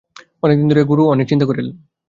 অনেক দিন ধরিয়া গুরু অনেক চিন্তা করিলেন।